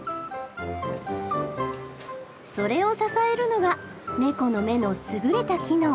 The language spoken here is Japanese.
それを支えるのがネコの目の優れた機能。